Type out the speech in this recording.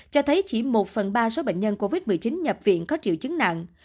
cho thấy chỉ một phần ba số bệnh nhân covid một mươi chín nhập viện có triệu chứng nặng